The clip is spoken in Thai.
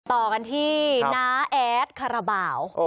ต่อกันที่น้าแอดคาราบาล